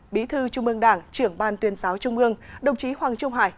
bí thư trung ương đảng trưởng ban tuyên giáo trung ương đồng chí hoàng trung hải